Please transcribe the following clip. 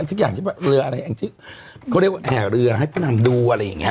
ทุกอย่างเรืออะไรแอ่งจิ๊กเขาเรียกว่าแห่เรือให้พระนามดูอะไรอย่างเงี้ย